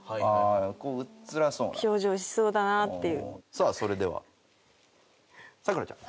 さあそれではさくらちゃん。